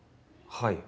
はい。